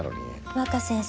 若先生